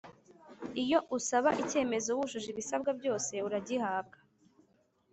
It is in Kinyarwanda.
Iyo usaba icyemezo wujuje ibisabwa byose uragihabwa